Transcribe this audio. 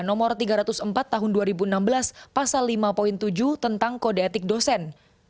nomor tiga ratus empat tahun dua ribu enam belas pasal lima tujuh tentang kode etik dosen